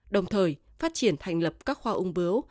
đồng thời phát triển thành lập các khoa ung bướu